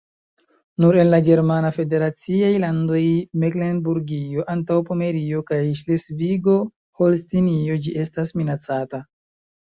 Nur en la germana federaciaj landoj Meklenburgio-Antaŭpomerio kaj Ŝlesvigo-Holstinio ĝi estas minacata.